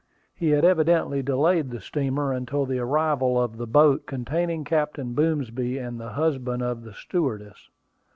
He had evidently delayed the steamer until the arrival of the boat containing Captain Boomsby and the husband of the stewardess.